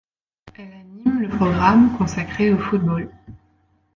Elle anime le programme ' consacré au football.